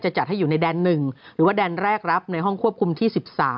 จัดให้อยู่ในแดน๑หรือว่าแดนแรกรับในห้องควบคุมที่๑๓